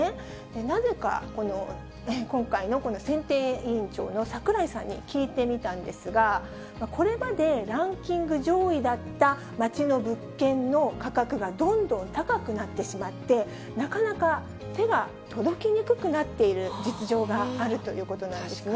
なぜか、今回のこの選定委員長の櫻井さんに聞いてみたんですが、これまでランキング上位だった街の物件の価格がどんどん高くなってしまって、なかなか手が届きにくくなっている実情があるということなんですね。